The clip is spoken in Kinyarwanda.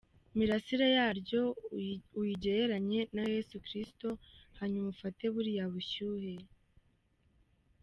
mirasire yaryo uyigereranye na Yesu Kristo, hanyuma ufate buriya bushyuhe.